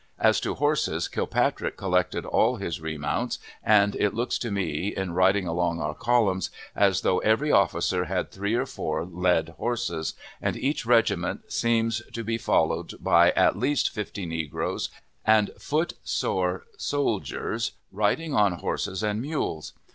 As to horses, Kilpatrick collected all his remounts, and it looks to me, in riding along our columns, as though every officer had three or four led horses, and each regiment seems to be followed by at least fifty negroes and foot sore soldiers, riding on horses and mules.